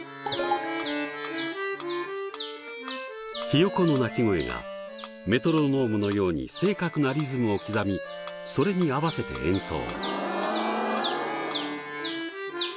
ヒヨコの鳴き声がメトロノームのように正確なリズムを刻みそれに合わせて演奏。